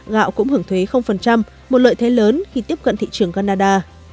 gạo cũng hưởng thuế một lợi thế lớn khi tiếp cận thị trường canada